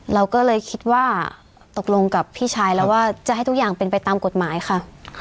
เราก็เลยคิดว่าตกลงกับพี่ชายแล้วว่าจะให้ทุกอย่างเป็นไปตามกฎหมายค่ะ